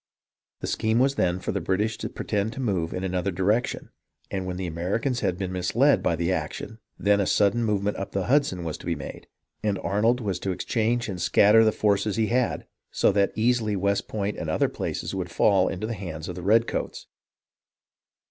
The scheme then was for the British to pretend to move in another direction, and when the Americans had been misled by the action, then a sudden movement up the Hudson was to be made, and Arnold was to exchange and scatter the forces he had, so that easily West Point and other places would fall into the hands of the redcoats.